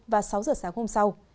và sáu h sáng hôm sau